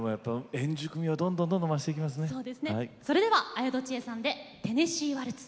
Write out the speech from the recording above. それでは綾戸智恵さんで「テネシーワルツ」。